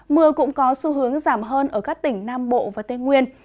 mưa cũng có xu hướng giảm hơn ở các tỉnh nam bộ và tây nguyên